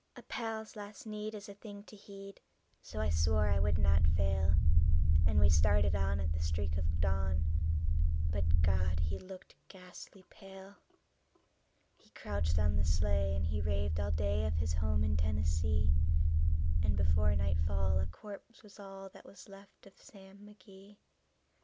A pal's last need is a thing to heed, so I swore I would not fail; And we started on at the streak of dawn; but God! he looked ghastly pale. He crouched on the sleigh, and he raved all day of his home in Tennessee; And before nightfall a corpse was all that was left of Sam McGee.